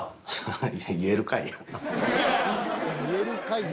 「言えるかいや」。